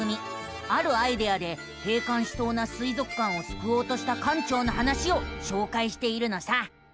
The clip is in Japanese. あるアイデアで閉館しそうな水族館をすくおうとした館長の話をしょうかいしているのさ。